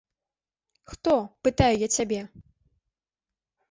Хто, пытаю я цябе?